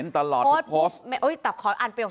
ธตั้มตอบทันควัน